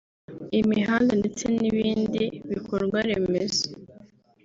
imihanda ndetse n’ibindi bikorwaremezo